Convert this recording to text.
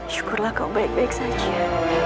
syukurlah kau baik baik saja